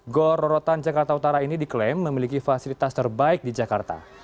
gor rorotan jakarta utara ini diklaim memiliki fasilitas terbaik di jakarta